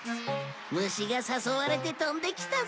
虫が誘われて飛んできたぞ！